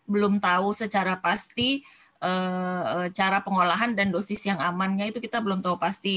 belum tahu secara pasti cara pengolahan dan dosis yang amannya itu kita belum tahu pasti